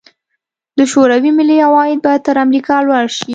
د شوروي ملي عواید به تر امریکا لوړ شي.